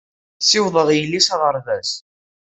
Ssawḍeɣ yelli s aɣerbaz.